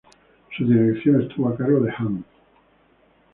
Su dirección estuvo a cargo de Hahn.